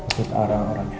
kita arah orangnya